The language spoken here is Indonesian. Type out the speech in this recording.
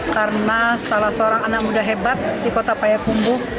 karena salah seorang anak muda hebat di kota payakumbu